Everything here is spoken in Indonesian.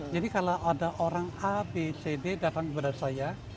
jadi kalau ada orang a b c d datang kepada saya